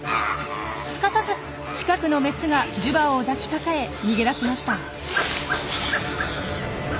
すかさず近くのメスがジュバオを抱きかかえ逃げ出しました。